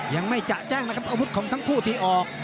ยังไม่จะแจ้งนะครับอาวุธของทั้งคู่ที่ออก